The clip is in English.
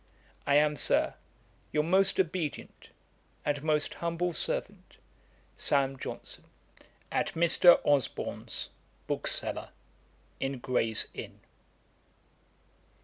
I am, Sir, 'Your most obedient, 'And most humble servant, 'SAM. JOHNSON. 'At Mr. Osborne's, bookseller, in Gray's Inn.'